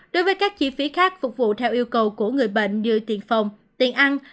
đối với các chi phí khác phục vụ theo yêu cầu của người bệnh như tiền phòng tiền ăn